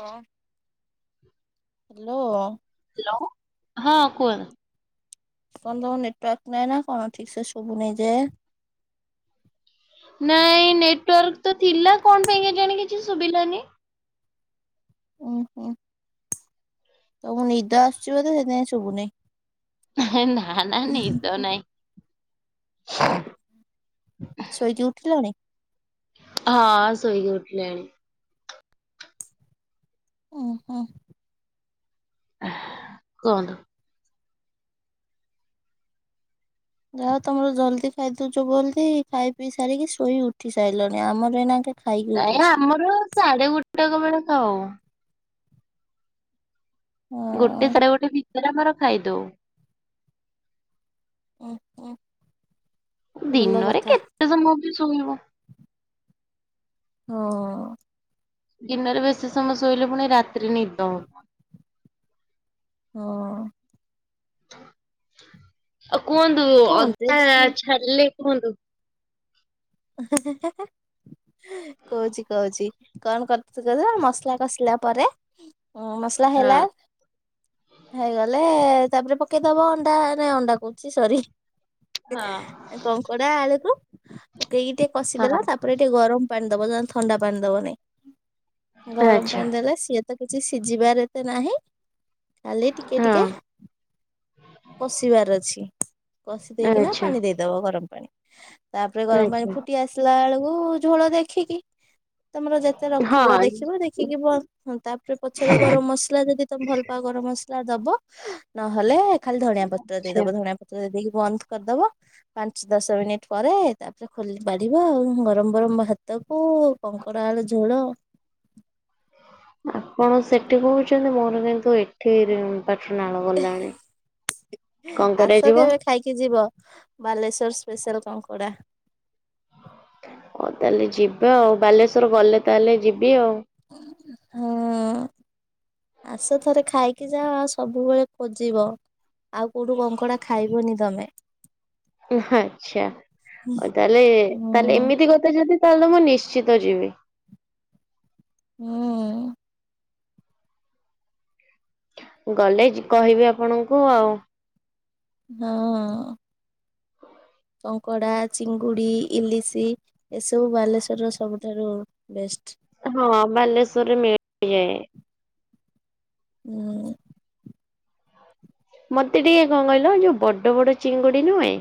ହଁ। ହଁ hello. Hello, ହଁ କୁହ। ସନ୍ଦେହ ନେଟୱାର୍କ ନାଇ ନା କଣ ଠିକ ସେ ଶୁବୁ ନେଇ ଯେ। ନାଇଁ ନେଟୱାର୍କ ତ ଥିଲା କଣ ପାଇଁ କି ଜାଣି କିଛି ଶୁବିଲା ନି? ଉୁଁ ହୁଁ ତ ମୁଁ ନିଦ ଆସୁଛି ବୋଧେ ସେଥିପାଇଁ ସୁବୁନି। ନା ନା ନିଦ ନାଇଁ। ଶୋଇକି ଉଠିଲଣି? ହଁ ଶୋଇକି ଉଠିଲିଣି। ଓ ହୋ। କୁହନ୍ତୁ। ଯାହା ତମର ଜଲ୍ଦି ଖାଇଦଉଛ ବୋଲଦି ଖାଇ ପିଇ ସାରିକି ଶୋଇ ଉଠି ସାରିଲଣି ଆମର ଏଇନା ନାଇଁ ଆମର ସାଢେ ଗୋଟାକ ବେଳେ ଖାଉ। ଗୋଟେ ହଁ ସାଢେ ଗୋଟେ ଭିତରେ ଆମର ଖାଇଦଉ। ଓହୋ। ଦିନରେ କେତେ ସମୟ ବି ଶୋଇବୁ। ହଁ! ଦିନରେ ବେଶୀ ସମୟ ଶୋଇଲେ ଫୁଣି ରାତିରେ ନିଦ ହୋ ହଁ। ଆଉ କୁହନ୍ତୁ ଘଣ୍ଟେ ଅଧା ଦି ଘଣ୍ଟା ଛାଡିଲେ କୁହନ୍ତୁ। [unintelligible] କୋହୁଚି କୋହୁଚି କଣ କରୁ [unintelligible] ମସଲା କଷିଲା ପରେ ଉଁ ମସଲା ହଁ। ହେଲା ହେଇଗଲେ ତାପରେ ପକେଇଦବ ଅଣ୍ଡା ନାଇଁ ଅଣ୍ଡା କୋହୁଚି ସରି ହଁ କଙ୍କଡା ଆଳୁ କୁ ପକେଇକି ଟିକେ ହଁ କଷିଦେଲ ତାପରେ ଟିକେ ଗରମ ପାଣି ଦବ ନହେଲେ ଥଣ୍ଡା ପାଣି ଦବନାଇଁ ଗରମ ଆଚ୍ଛା ପାଣି ଦେଲେ ସିଏ ତ କିଛି ସିଝିବାର ଏତେ ନାହିଁ। କାଲି ଟିକେ ହଁ ଟିକେ କଷିବାର ଅଛି। କଷି ଦେଇକିନା ଆଚ୍ଛା ପାଣି ଦେଇଦବ ଗରମ ପାଣି ତାପରେ ଗରମ ପାଣି ଆଚ୍ଛା ଫୁଟି ଆସିଲା ବେଳ କୁ ଝୋଳ ଦେଖିକି ତମର ଯେତେ ହଁ ରଖିବ ଦେଖିବ ଦେଖିକି ତାପରେ ପଛରେ ଗରମ ମସଲା ଯଦି ତମେ ଭଲ ପାଅ ଗରମ ମସଲା ଦବ ନହଲେ ଖାଲି ଧଣିଆ ପତ୍ର ଆଚ୍ଛା। ଦେଇଦବ ଧଣିଆ ପତ୍ର ଦେଇ ଦେଇକି ବନ୍ଦ କରିଦବ ପାଞ୍ଚ ଦଶ ମିନିଟ ପରେ ତାପରେ ଖୋଲି ବାଢିବ ଆଉ ଗରମ ଗରମ ଭାତକୁ କଙ୍କଡା ଆଳୁ ଝୋଳ। ଆପଣ ସେଠି କୋହୁଚନ୍ତି ମୋର କିନ୍ତୁ ଏଠି ପାଟିରୁ ନାଳ ଗଲାଣି କଣ କରାଯିବ? ବାଲେଶ୍ୱର ସ୍ପେଶାଲ କଙ୍କଡ଼ା। ହଉ ତାହେଲେ ଯିବା ଆଉ ବାଲେଶ୍ୱର ଗଲେ ତାହେଲେ ଯିବ ହଁ। ଆସ ଥରେ ଖାଇକି ଯାଅ ଆଉ ସବୁବେଳେ ଖୋଜିବ। ଆଉ କୋଉଠୁ କଙ୍କଡା ଖାଇବନି ତମେ। ଆଛା ହୁଁ ତାହେଲେ ତାହେଲେ ଏମିତି କଥା ଯଦି ତାହେଲେ ମୁଁ ନିଶ୍ଚିତ ଯିବି। ହୁଁ। ଗଲେ କହିବି ଆପଣଙ୍କୁ ଆଉ। ହଁ। କଙ୍କଡା, ଚିଙ୍ଗୁଡି, ଇଲିଶି ଏସବୁ ବାଲେଶ୍ଵରର ସବୁଠାରୁ ବେଷ୍ଟ। ହଁ ବାଲେଶ୍ଵରରେ [unintelligible] ହୁଁ। ମତେ ଟିକେ କଣ କହିଲ ଯୋଉ ବଡ ବଡ ଚିଙ୍ଗୁଡି ନୁହେଁ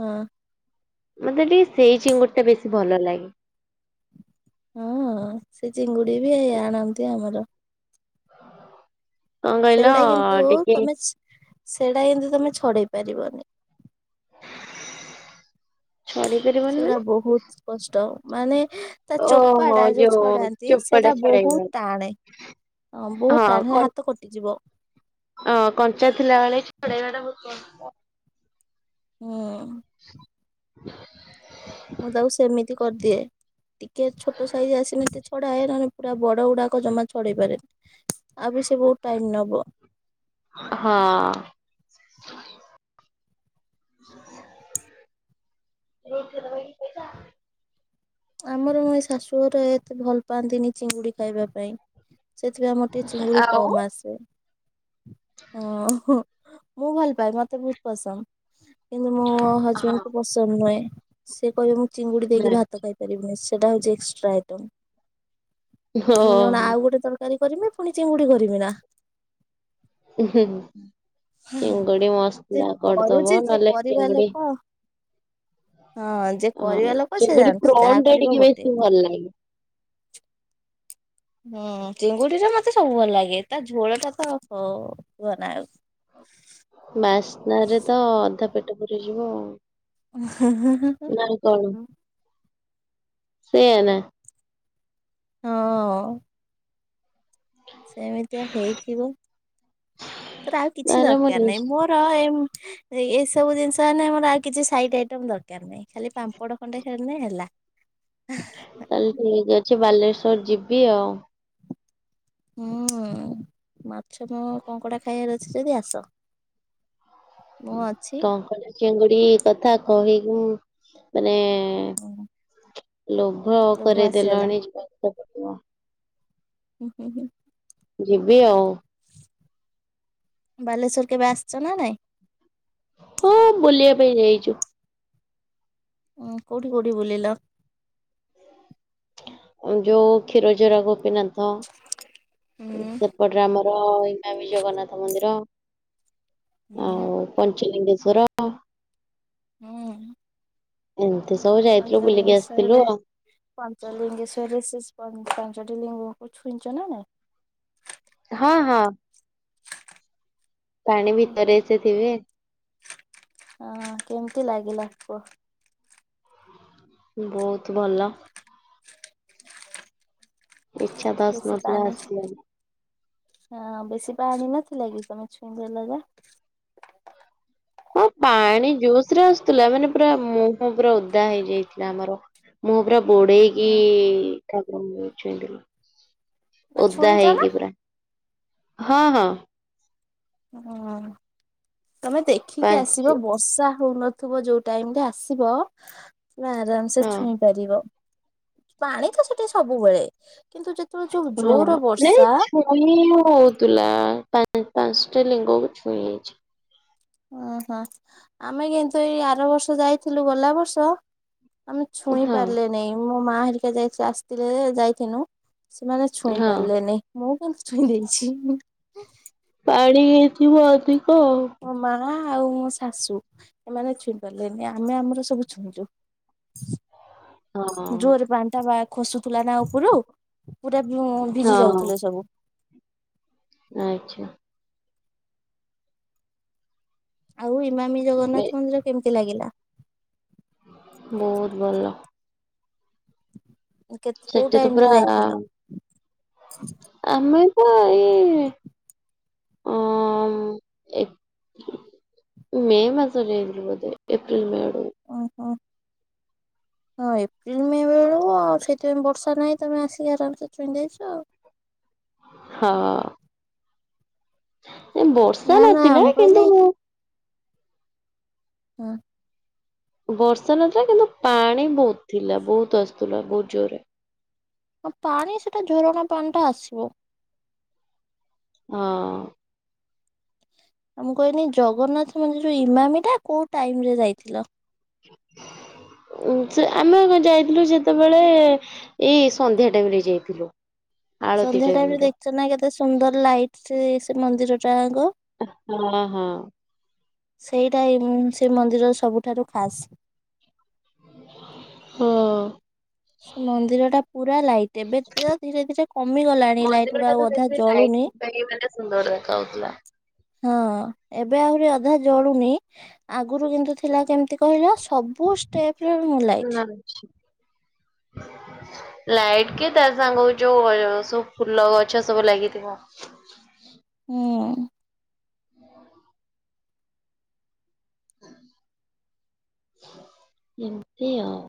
ହଁ। ମତେ ଟିକେ ସେଇ ଚିଙ୍ଗୁଡିଟା ବେଶୀ ଭଲ ଲାଗେ। ହଁ ସେ ଚିଙ୍ଗୁଡି ବି ହେଇ ଆଣନ୍ତି ଆମର। କଣ କହିଲ ସେଇଗୁଡା କିନ୍ତୁ ଟିକେ ତମେ ସେଇଟା କିନ୍ତୁ ତମେ ଛଡେଇ ପାରିବନି। ଛଡେଇ ପାରିବନି ମାନେ ସେଗୁଡା ବହୁତ କଷ୍ଟ ମାନେ ତା ଚୋପା ଓହୋ ଟା ଯୋଉ ଛଡାନ୍ତି ଚୋପାଟା ସେଟା ଛଡେଇବା। ବହୁତ ଟାଣେ। ହଁ ବହୁତ ଟାଣ ହାତ କଟିଯିବ। ଅଁ କଞ୍ଚା ଥିଲାବେଳେ ଛଡେଇବାଟା [unintelligible] ହୁଁ। ମୁଁ ତାକୁ ସେମିତି କରିଦିଏ ଟିକେ ଛୋଟ ସାଇଜ ଆସିନିତେ ଛଡାଏ ନ ପୁରା ବଡ ଗୁଡାକ ଜମା ଛଡେଇ ପାରେନି। ଆଉ ବି ସେ ବହୁତ ଟାଇମ ନବ। ହଁ। [unintelligible] ପଇସା। ଆମର ଏଇ ଶାଶୁଘରେ ଏତେ ଭଲ ପାଆନ୍ତିନି ଚିଙ୍ଗୁଡି ଖାଇବା ପାଇଁ। ସେଥିପାଇଁ ଆମର ଟିକେ ଚିଙ୍ଗୁଡି ଆଉ କମ୍ ଆସେ। ଓହୋ ମୁଁ ଭଲ ପାଏ ମତେ ବହୁତ ପସନ୍ଦ। କିନ୍ତୁ ମୋ ହଁ ହଜବେଣ୍ଡକୁ ପସନ୍ଦ ନୁହେଁ, ସେ କହିବେ ମୁଁ ଚିଙ୍ଗୁଡ଼ି ଦେଇକି ନାଇଁ ଭାତ ଖାଇବି। ସେଟା ହଉଚି ଏକ୍ସଟ୍ରା ଆଇଟମ୍ ହୋ କଣ ଆଉ ଗୋଟେ ତାର ତରକାରୀ କରିମି ପୁଣି ଚିଙ୍ଗୁଡି କରିବି ନା। ଉ ହୁଁ। ଚିଙ୍ଗୁଡି ଯେ ମସଲା କରୁଛି କରିଦବ ଯେ ନହେଲେ କରିବା ଚିଙ୍ଗୁଡି ଲୋକ ହଁ ଯେ କରିବା ହଁ ଲୋକ ସେ ଚିଙ୍ଗୁଡ଼ି ଜାଣିଛି ଯାହା [unintelligible] କରିବ ଟିକେ ଗୋଟେ। ବେଶୀ ଭଲ ଲାଗେ। ହୁଁ ଚିଙ୍ଗୁଡିରେ ମତେ ସବୁ ଭଲ ଲାଗେ ତା ଝୋଳ ଟା ତ ବନାଉ। ବାସ୍ନା ରେ ତ ଅଧା ପେଟ ଭରି ଯିବ ଆଉ। [unintelligible] ସେୟାନା ହଁ। ସେମିତିଆ ହେଇଥିବ। ତୋର ଆଉ କିଛି ତାହେଲେ ମୁଁ ଦରକାର ନାହିଁ ନିଶ୍ଚ ମୋର ଏ ଏସବୁ ଜିନିଷ ହେେ ଆମର ଆଉ କିଛି ସାଇଟ ଆଇଟମ ଦରକାର ନାହିଁ ଖାଲି ପାମ୍ପଡ ଖଣ୍ଡେ ହେଲେ ହେଲା। ତାହେଲେ ଠିକ ଅଛି ବାଲେଶ୍ଵର ଯିବି ଆଉ। ହଁ। ମାଛ କଣ କଙ୍କଡା ଖାଇବାର ଅଛି ଯଦି ଆସ। ମୁଁ ଅଛି କଙ୍କଡ଼ା ଚିଙ୍ଗୁଡି କଥା କହିକି ମାନେ ଉଁ ଲୋଭ କରେଦେଲଣି [unintelligible] ହୁଁ ହୁଁ ହୁଁ। ଯିବି ଆଉ। ବାଲେଶ୍ୱର କେବେ ଆସିଛ ନା ନାଇଁ? ହଁ ବୁଲିବା ପାଇଁ ଯାଇଛୁ। ଉଁ କଉଠି କୋଉଠି ବୁଲିଲ? ଯୋଉ କ୍ଷୀରଜରା ଗୋପୀନାଥ ହୁଁ ସେପଟରେ ଆମର [unintelligible] ବି ଜଗନ୍ନାଥ ମନ୍ଦିର ହୁଁ ଆଉ ପଞ୍ଚଲିଙ୍ଗ ଶ୍ୱର ହୁଁ। ହଁ ପଞ୍ଚଲିିଙ୍ଗେଶ୍ଵରରେ ପଞ୍ଚଲିିଙ୍ଗେଶ୍ଵରରେ ସେ ପଞ୍ଚ ପାଞ୍ଚଟି ଲିଙ୍ଗକୁ ଛୁଇଁଛ ନା ନାଇ। ହଁ ହଁ। ପାଣି ଓହୋ ଭିତରେ ସେଥିବେ। ହଁ କେମିତି ଲାଗିଲା କୁହ? ବହୁତ ଭଲ। ଇଛା ତ ବେଶୀ ଆସୁନଥିଲା ପାଣି ଆସିବାକୁ। ହଁ ବେଶି ପାଣି ନଥିଲା କି ତମେ ଛୁଇ ଦେଲ କି? ହଁ ପାଣି ଜୋସ ରେ ଆସୁଥିଲା ମାନେ ପୁରା ମୁହଁ ପୁରା ଓଦା ହେଇଯାଇଥିଲା ଆମର। ମୁଁହ ପୁରା ବୁଡେଇକି ଇ ଠାକୁରଙ୍କୁ ଛୁଆଁଇ ଦେଲୁ। ନା ଓଦା ଛୁଇଁଚ ନା? ହେଇକି ପୁରା ହଁ ହଁ। ହୁଁ ତମେ ଦେଖିକି ଆସିବ ପାଞ୍ଚ ବର୍ଷା। ହଉନଥିବ ଯୋଉ ଟାଇମ ରେ ଆସିବ ତୁମେ ଆରାମ ସେ ହଁ ଛୁଇଁ ପାରିବ। ପାଣି ତ ସେଠି ସବୁବେଳେ। କିନ୍ତୁ ଯେତେବେଳେ ଯୋଉ ହଁ ଜୋର ନାଇ ବର୍ଷା ଛୁଇଁ ହଉଥିଲା ପା ପାଞ୍ଚଟା ଲିଙ୍ଗକୁ ଛୁଇଁ ଆଇଛି। ଓହୋ ଆମେ କିନ୍ତୁ ଏଇ ଆର ବର୍ଷ ଯାଇଥିଲୁ ଗଲା ବର୍ଷ। ଆମେ ଛୁଇଁ ହଁ ପାରିଲେ ନାଇଁ ମୋ ମା ହେରିକା ଯାଇ ଆସିଥିଲେ ଯେ ଯାଇଥିନୁ। ସେମାନେ ଛୁଇଁ ହଁ ପାରିଲେନି ମୁଁ କିନ୍ତୁ ଛୁଇଁ ଦେଇଛି। ପାଣି ହେଇଥିବ ଅଧିକ ଆଉ। ମୋ ମା ଆଉ ମୋ ଶାଶୁ ଏମାନେ ଛୁଇଁ ପାରିଲେନି ଆମେ ଆମର ସବୁ ଛୁଇଁଛୁ। ଆଉ। [inaudible] ଜୋରେ ପାଣିଟା ବା ଖସୁଥିଲୁଥିଲା ନା ଉପରୁ। ପୁରା ଭିଜି ହଁ ହଁ ଯାଉଥିଲେ ସବୁ। ଆଚ୍ଛା ଆଉ ଇମମି ଏ- ଜଗନ୍ନାଥ ମନ୍ଦିର କେମିତି ଲାଗିଲା? ବହୁତ ଭଲ। କେତେ କୋଉ ସେଠି ତ ଟାଇମ ପୁରା ରେ [inaudible] ଯାଇଥିଲ? ଆମେ ଆମେ ଏଇ [inaudible] ଅଁ ମେ ମାସରେ ଯିବେ ବୋଧେ ଏପ୍ରିିଲ ମେ ଆଡୁ ଓ। ହଁ ଏପ୍ରିଲ ମେ ବେଳକୁ ଆଉ ସେଇଥିପାଇଁ ବର୍ଷା ନାହିଁ। ତମେ ଆସିକି ଆରାମସେ ଛୁଇଁ ଦେଇେଇଛ ଆଉ। [inaudible] ହଁ। ବର୍ଷା ନା ନା ନଥିଲା ମୁଁ କହିଲି କିନ୍ତୁ ମୁଁ ହୁଁ। ବର୍ଷା ନଥିଲା କିନ୍ତୁ ପାଣି ବହୁତ ଥିଲା ବହୁତ ଆସୁଥିଲା ବହୁତ ଜୋରରେ। ଆଉ ପାଣି ସେଟା ଝରଣା ପାଣି ଟା ଆସିବ। ହଁ। ଆ ମୁଁ କହିଲି ଜଗନ୍ନାଥ ମନ୍ଦିର ଯୋଉ ଇମାମି ଟା କୋଉ ଟାଇମ ରେ ଯାଇଥିଲ। ସେ ଆମେ ଯାଇଥିଲୁ ଯେତେବେଳେ ଏଇ ସନ୍ଧ୍ୟା ଟାଇମ ରେ ଯାଇଥିଲୁ। ଆଳତି ସନ୍ଧ୍ୟା ଟାଇମ ରେ ର ଦେଖିଛ ନା କେତେ ସୁନ୍ଦର ଲାଇଟ୍ ସେ ସେ ମନ୍ଦିରଟା ଆଙ୍କ। ହଁ ହଁ। ସେଇଟା ସେ ମନ୍ଦିର ସବୁଠାରୁ ଖାସ୍। [inaudible] ହଁ। ସେ ମନ୍ଦିର ଟା ପୁରା ଲାଇଟ୍ ଏବେ ଧୀରେ ଧୀରେ କମି ଗଲାଣି। ଲାଇଟ୍ ଗୁଡା ଅଧା ଜଳୁ [unintelligible] ସୁନ୍ଦର ଦେଖା ହଉଥିଲା। ହଁ ଏବେ ଆହୁରି ଅଧା ଜଳୁନି ଆଗରୁ କିନ୍ତୁ ଥିଲା କେମତି କହିଲ? ସବୁଷ୍ଟେପ ରେ ନୂଆ ଲାଇଟ। [inaudible] ଲାଇଟ୍ କି ତା ସାଙ୍ଗ ଯୋଉ ସବୁ ଫୁଲ ଗଛ ସବୁ ଲାଗିଥିବ। [inaudible] ହୁଁ। [inaudible] ଏମିତି ଆଉ।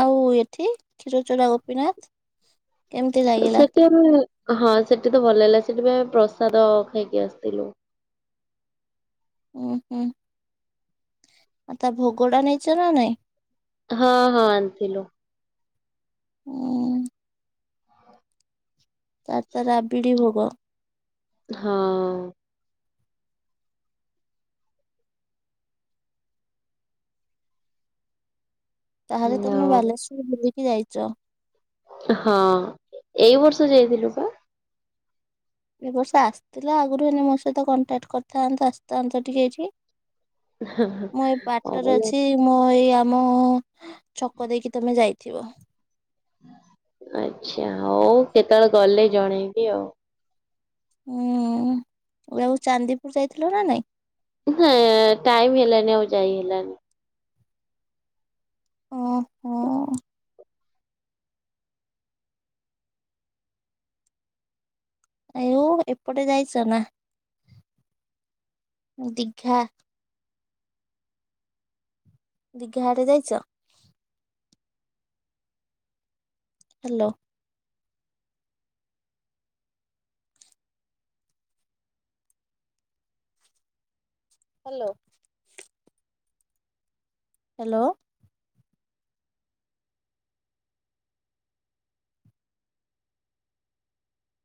ଆଉ ଏଠି କ୍ଷୀରଚୋରା ଗୋପୀନାଥ କେମିତି ଲାଗିଲା। ସେଠି ଆମେ ହଁ ସେଠି ତ ଭଲ ହେଲା ସେଠିପା ପ୍ରସାଦ ଖାଇକି ଆସିଥିଲୁ। ଉଁ ହୁଁ [inaudible] ଆଉ ତା ଭୋଗଟା ନେଇଛନା ନାହିଁ। ହଁ ହଁ ଆଣିଥିଲୁ। ହୁଁ। ତାର ତ ରାବିଡି ଭୋଗ। ହଁ। ତାହେଲେ ତମେ ଆଉ ବାଲେଶ୍ଵର ବୁଲିକି ଆଇଚ। ହଁ ଏଇ ବର୍ଷ ଯାଇଥିଲୁପା। ଏ ବର୍ଷ ଆସିଥିଲା ଆଗରୁ ହେଲେ ମୋ ସହିତ କଣ୍ଟାକ୍ଟ କରିଥାନ୍ତୁ ଆସିଥାନ୍ତୁ ଟିକେ ଏଇଠିକି। [inaudible] ମୁଁ ଏଇ ବାଟରେ ହଉ ଅଛି। ମୁଁ ଏଇ ତମ ଛକ ଦେଇକି ତମେ ଯାଇଥିବ। ଆ୍ଛା ହଉ କେତେବେଳେ ଗଲେ ଜଣେଇବି ଆଉ। ହୁଁ ଆଉ ଚାନ୍ଦିପୁର ଯାଇଥିଲ ନା ନାଇଁ। ହେ ଟାଇମ ହେଲାନି ଆଉ ଯାଇ ହେଲାନି। ଓହୋ। ଆୟୁ ଏପଟେ ଯାଇଚ ନା? ଦୀଘା। ଦୀଘା ଆଡେ ଯାଇଛ? ହ୍ୟାଲୋ। Hello hello.